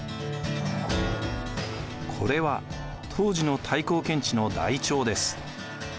これは当時の太閤検地の台帳です。